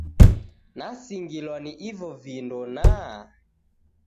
Nasingilwa ni ivo vindu naa!